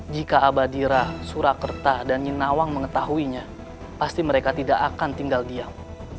jika abadira surakarta dan ninawang mengetahuinya pasti mereka tidak akan tinggal diam